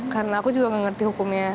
karena aku juga nggak ngerti hukumnya